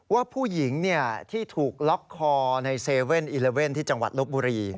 ว่าผู้หญิงที่ถูกล็อกคอใน๗๑๑ที่จังหวัดลบบุรี